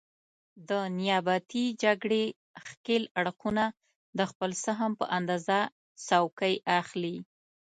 د نیابتي جګړې ښکېل اړخونه د خپل سهم په اندازه څوکۍ اخلي.